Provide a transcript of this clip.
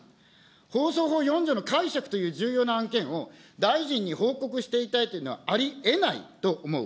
放送法４条の解釈という重要な案件を、大臣に報告していないというのはありえないと思う。